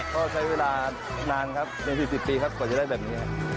ก็ใช้เวลานานครับเป็น๔๐ปีครับกว่าจะได้แบบนี้ครับ